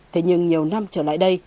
thế nhưng nhiều năm trở lại đây